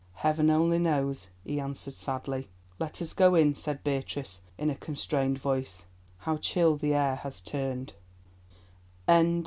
"Heaven only knows!" he answered sadly. "Let us go in," said Beatrice, in a constrained voice; "how chill the air has turned."